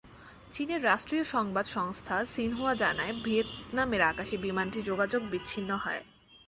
চীনের রাষ্ট্রীয় সংবাদ সংস্থা সিনহুয়া জানায়, ভিয়েতনামের আকাশে বিমানটি যোগাযোগ বিচ্ছিন্ন হয়।